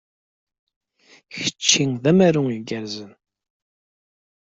Kečč d amaru igerrzen.